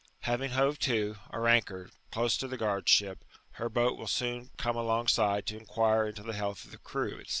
Having hove to, or anchored, close to the guard ship, her boat will soon come alongside to inquire into the health of the crew, &c.